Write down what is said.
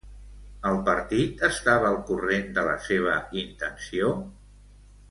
El partit estava al corrent de la seva intenció?